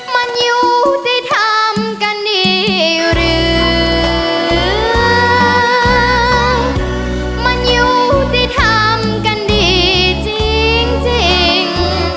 มันอยู่ที่ทำกันดีหรือมันอยู่ที่ทำกันดีจริง